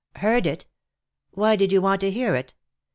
" Heard it? Why did you want to hear it?